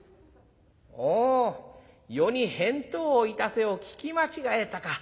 「おう『余に返答をいたせ』を聞き間違えたか。